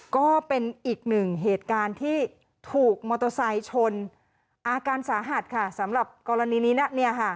ก็เป็นอีกหนึ่งเหตุการณ์ที่ถูกมอเตอร์ไซค์ชนอาการสาหัสค่ะสำหรับกรณีนี้นะ